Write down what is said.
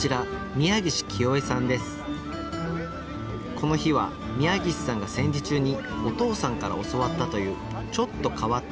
この日は宮岸さんが戦時中にお父さんから教わったというちょっと変わった釣りを教えてもらいました